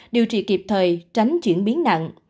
điều trị kịp thời tránh chuyển biến nặng